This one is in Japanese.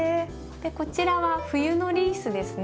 こちらは冬のリースですね。